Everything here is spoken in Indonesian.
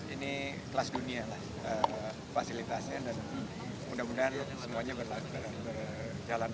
ini kelas dunia lah fasilitasnya dan mudah mudahan semuanya berjalan